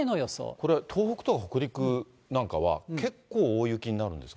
これは東北とか北陸なんかは結構、大雪になるんですか。